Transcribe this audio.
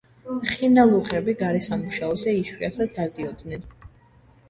ხინალუღები გარესამუშაოზე იშვიათად დადიოდნენ.